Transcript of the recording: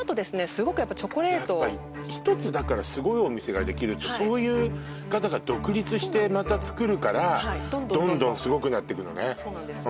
すごくやっぱチョコレートやっぱ１つすごいお店ができるとそういう方が独立してまた作るからどんどんすごくなってくのねそうなんです